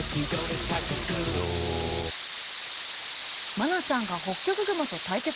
愛菜ちゃんがホッキョクグマと対決？